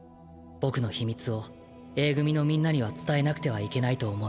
「僕の秘密を Ａ 組のみんなには伝えなくてはいけないと思い